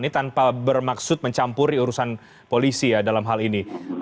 ini tanpa bermaksud mencampuri urusan polisi ya dalam hal ini